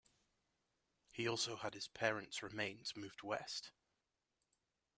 He also had his parents' remains moved west.